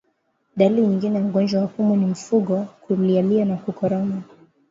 Dalili nyingine ya ugonjwa wa pumu ni mfugo kulialia na kukoroma